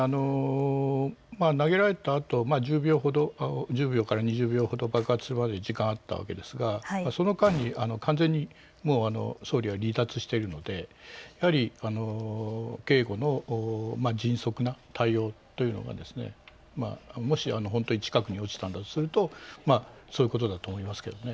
投げられたあと１０秒から２０秒ほど爆発するまでに時間があったわけですが、その間に完全にもう総理は離脱しているので、やはり警護の迅速な対応というのがもし本当に近くに落ちたんだとすると、そういうことだと思いますけどね。